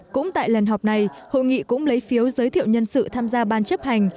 cũng tại lần họp này hội nghị cũng lấy phiếu giới thiệu nhân sự tham gia ban chấp hành